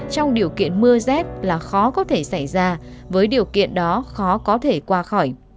trong điều kiện mưa rét là khó có thể xảy ra với điều kiện đó khó có thể qua khỏi